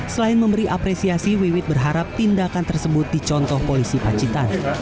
selain memberi apresiasi wiwit berharap tindakan tersebut dicontoh polisi pacitan